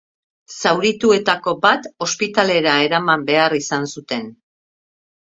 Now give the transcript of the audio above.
Zaurituetako bat ospitalera eraman behar izan zuten.